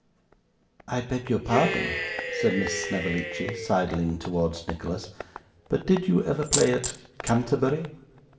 'I beg your pardon,' said Miss Snevellicci, sidling towards Nicholas, 'but did you ever play at Canterbury?